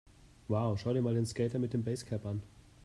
Wow, schau dir mal den Skater mit dem Basecap an!